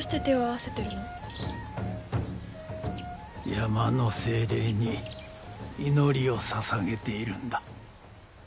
山の精霊に祈りをささげているんだ。